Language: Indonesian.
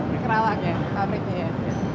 di kerawang ya pabriknya